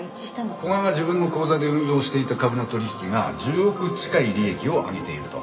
古賀が自分の口座で運用していた株の取引が１０億近い利益を上げていると。